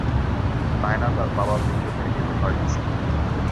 নায়না তার বাবার মৃত্যু মেনে নিতে পারেনি, স্যার।